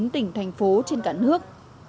ba mươi chín tỉnh thành phố trên cả nước